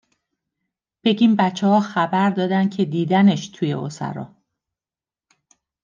بگیم بچه ها خبر دادن که دیدنش توی اُسرا